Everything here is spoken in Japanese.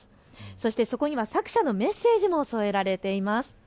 そしてそこには作者のメッセージも添えられています。